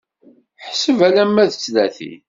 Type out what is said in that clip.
Ḥseb alamma d tlatin.